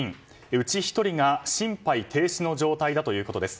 うち１人が心肺停止の状態だということです。